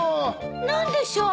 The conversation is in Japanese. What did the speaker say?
何でしょう。